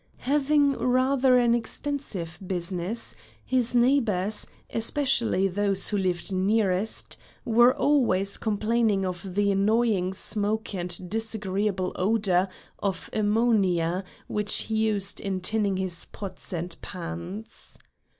Having rather an extensive business, his neighbors, especially those who lived nearest, were always complaining of the annoying smoke and disagreeable odor of ammonia which he used in tinning his pots and pans.